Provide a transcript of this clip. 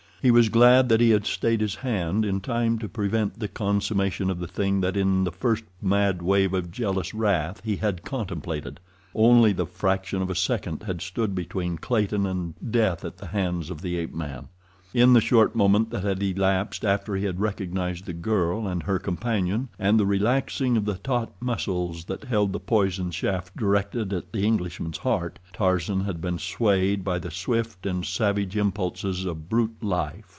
He was glad that he had stayed his hand in time to prevent the consummation of the thing that in the first mad wave of jealous wrath he had contemplated. Only the fraction of a second had stood between Clayton and death at the hands of the ape man. In the short moment that had elapsed after he had recognized the girl and her companion and the relaxing of the taut muscles that held the poisoned shaft directed at the Englishman's heart, Tarzan had been swayed by the swift and savage impulses of brute life.